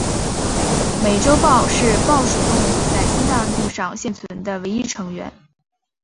美洲豹是豹属动物在新大陆上现存的唯一成员。